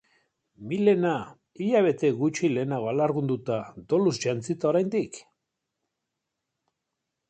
Milena, hilabete gutxi lehenago alargunduta, doluz jantzita oraindik!